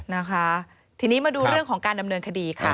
นะคะทีนี้มาดูเรื่องของการดำเนินคดีค่ะ